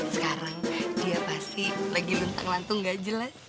sekarang dia pasti lagi lentang lantung ga jelas